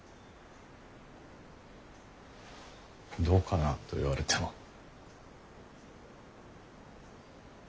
「どうかな？」と言われても。